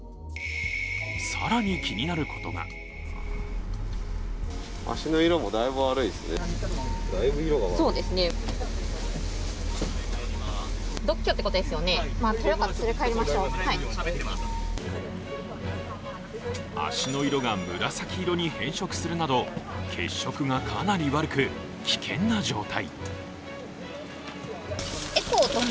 更に気になることが足の色が紫色に変色するなど血色がかなり悪く、危険な状態。